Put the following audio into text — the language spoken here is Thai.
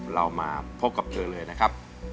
เรามาพบกับเธอเลยนะครับ